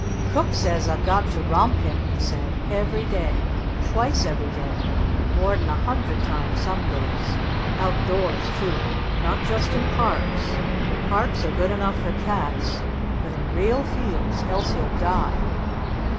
"Cook says I've got to romp him!" he said. "Every day! Twice every day! More'n a hundred times some days! Out doors too! Not just in parks, parks are good enough for cats, but in real fields! Else he'll DIE!"